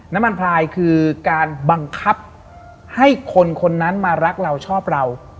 น้ำมันพลายคือการบังคับให้คนคนนั้นมารักเราชอบเรา